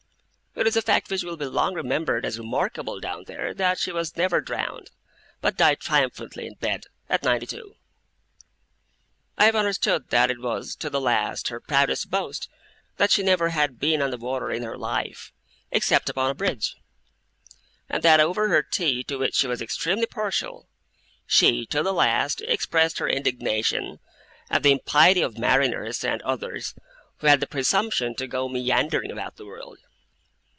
It is a fact which will be long remembered as remarkable down there, that she was never drowned, but died triumphantly in bed, at ninety two. I have understood that it was, to the last, her proudest boast, that she never had been on the water in her life, except upon a bridge; and that over her tea (to which she was extremely partial) she, to the last, expressed her indignation at the impiety of mariners and others, who had the presumption to go 'meandering' about the world.